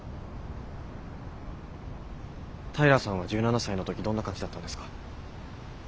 平さんは１７才の時どんな感じだったんですか？